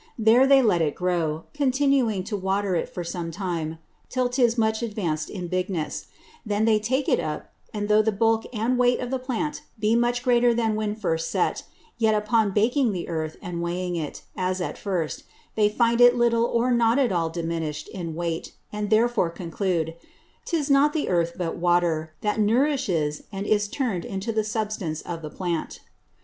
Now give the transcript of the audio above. There they let it grow, continuing to water it for some time, till 'tis much advanced in bigness: Then they take it up; and though the Bulk and Weight of the Plant be much greater than when first set, yet upon baking the Earth, and weighing it, as at first, they find it little or not at all diminished in weight; and therefore conclude, 'tis not the Earth but Water, that nourishes and is turn'd into the Substance of the Plant.